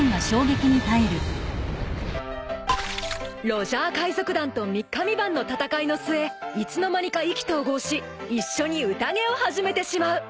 ［ロジャー海賊団と三日三晩の戦いの末いつの間にか意気投合し一緒に宴を始めてしまう］